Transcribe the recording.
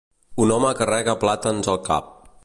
Un home carrega plàtans al cap.